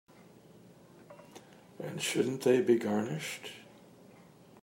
And shouldn't they be garnished?